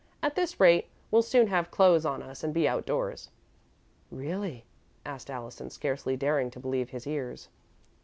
"At this rate, we'll soon have clothes on us and be outdoors." "Really?" asked Allison, scarcely daring to believe his ears.